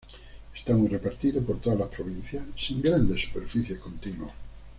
Está muy repartido por todas las provincias, sin grandes superficies continuas.